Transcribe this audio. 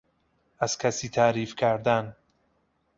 از کسی تعریف کردن